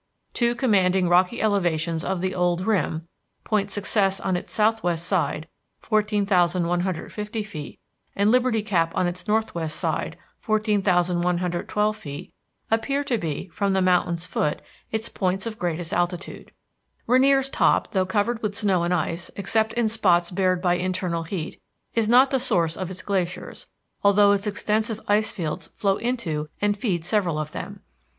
Two commanding rocky elevations of the old rim, Point Success on its southwest side, 14,150 feet, and Liberty Cap on its northwest side, 14,112 feet, appear to be, from the mountain's foot, its points of greatest altitude. Rainier's top, though covered with snow and ice, except in spots bared by internal heat, is not the source of its glaciers, although its extensive ice fields flow into and feed several of them.